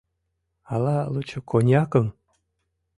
— Ала лучо коньякым?